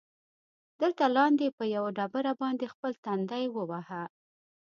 دلته لاندې، په یوه ډبره باندې خپل تندی ووهه.